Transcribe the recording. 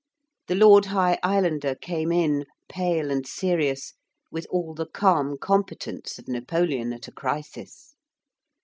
The Lord High Islander came in pale and serious, with all the calm competence of Napoleon at a crisis.